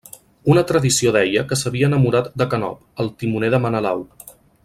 Una tradició deia que s'havia enamorat de Canop, el timoner de Menelau.